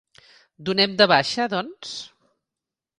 Donem de baixa, doncs?